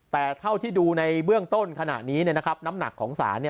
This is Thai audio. แต่เท่าที่ดูในเบื้องต้นขณะนี้น้ำหนักของศาล